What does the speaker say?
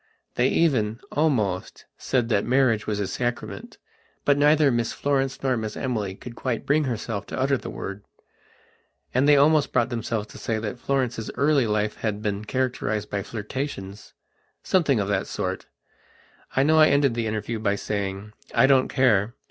They even, almost, said that marriage was a sacrament; but neither Miss Florence nor Miss Emily could quite bring herself to utter the word. And they almost brought themselves to say that Florence's early life had been characterized by flirtationssomething of that sort. I know I ended the interview by saying: "I don't care.